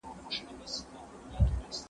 زه اجازه لرم چي وخت تېرووم!؟